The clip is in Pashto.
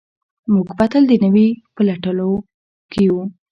موږ به تل د نوي په لټولو کې یو.